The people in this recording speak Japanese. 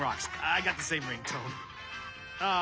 ああ！